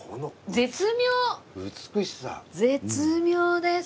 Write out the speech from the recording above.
絶妙です。